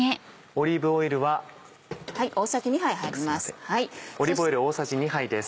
オリーブオイルは大さじ２杯です。